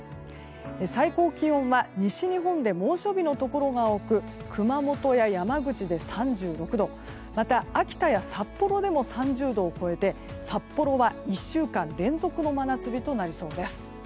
最高気温は西日本で猛暑日のところが多く熊本や山口で３６度また、秋田や札幌でも３０度を超えて札幌は１週間連続の真夏日となりそうです。